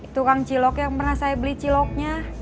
tukang cilok yang pernah saya beli ciloknya